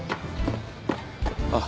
あっ。